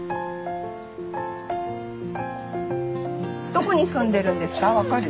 どこに住んでるんですか分かる？